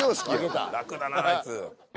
楽だなあいつ。